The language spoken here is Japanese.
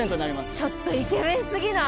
ちょっとイケメンすぎない？